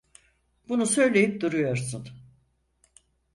Bunu söyleyip duruyorsun.